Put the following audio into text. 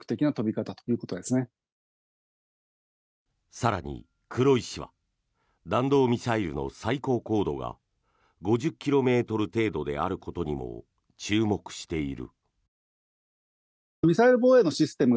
更に、黒井氏は弾道ミサイルの最高高度が５０ｋｍ程度であることにも注目している。